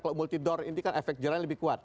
kalau multidor ini kan efek jualan lebih kuat